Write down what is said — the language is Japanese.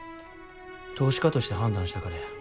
投資家として判断したからや。